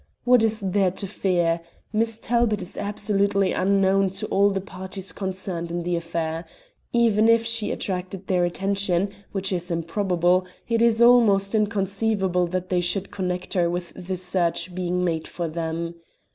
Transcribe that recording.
What is there to fear? Miss Talbot is absolutely unknown to all the parties concerned in the affair. Even if she attracted their attention, which is improbable, it is almost inconceivable that they should connect her with the search being made for them.